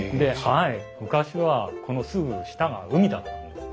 昔はこのすぐ下が海だったんです。